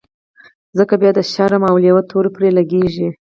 ځکه بيا د شرمښ او لېوه تور پرې لګېږي.